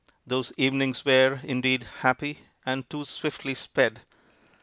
Those evenings were indeed "happy," and "too swiftly sped."